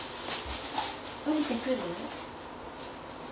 下りてくる？